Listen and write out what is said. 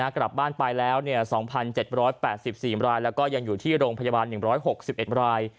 กลับบ้านไปแล้ว๒๗๘๔รายแล้วก็ยังอยู่ที่โรงพยาบาล๑๖๑ราย